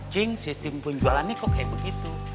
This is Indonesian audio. ching sistem penjualannya kok kayak begitu